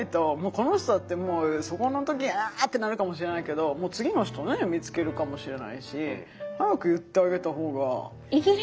この人だってもうそこの時「アーッ！」ってなるかもしれないけどもう次の人ね見つけるかもしれないし早く言ってあげたほうが。